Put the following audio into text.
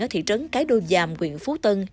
ở thị trấn cái đô dàm quyện phú tân